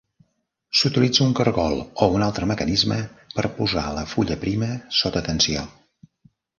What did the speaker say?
S'utilitza un cargol o un altre mecanisme per posar la fulla prima sota tensió.